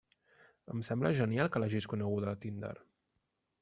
Em sembla genial que l'hagis coneguda a Tinder!